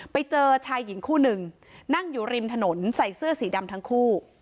ไปเจอชายหญิงคู่หนึ่งนั่งอยู่ริมถนนใส่เสื้อสีดำทั้งคู่